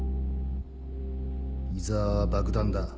井沢は爆弾だ。